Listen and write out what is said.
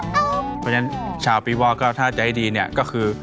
เพราะฉะนั้นชาวปีวอกก็ถ้าใจดีเนี่ยก็คือ